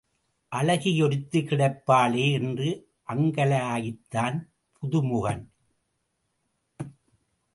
அழகி ஒருத்தி கிடைப்பாளே என்று அங்கலாய்த்தான் பதுமுகன்.